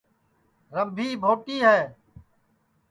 رمبھی بھوٹی ہے